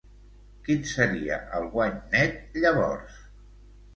Quin seria el guany net llavors?